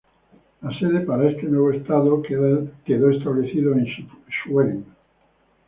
La sede para ese nuevo estado quedó establecida en Schwerin.